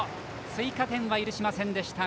追加点は許しませんでした